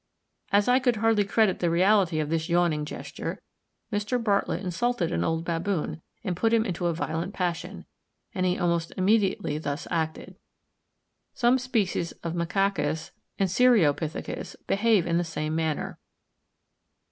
As I could hardly credit the reality of this yawning gesture, Mr. Bartlett insulted an old baboon and put him into a violent passion; and he almost immediately thus acted. Some species of Macacus and of Cereopithecus behave in the same manner.